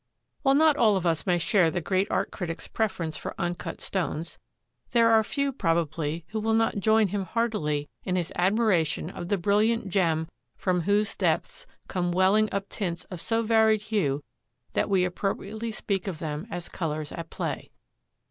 While not all of us may share the great art critic's preference for uncut stones, there are few probably who will not join him heartily in his admiration of the brilliant gem from whose depths come welling up tints of so varied hue that we appropriately speak of them as colors at play.